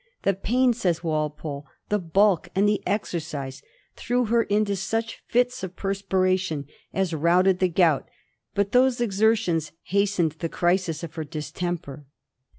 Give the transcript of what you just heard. " The pain," says Walpole, "the bulk, and the exercise threw her into such fits of perspiration as routed the gout; but those exertions hastened the crisis of her distemper."